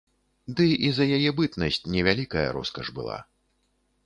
Ды і за яе бытнасць не вялікая роскаш была.